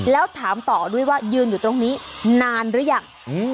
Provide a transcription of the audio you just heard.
แล้วถามต่อด้วยว่ายืนอยู่ตรงนี้นานหรือยัง